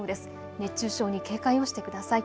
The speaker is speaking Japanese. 熱中症に警戒をしてください。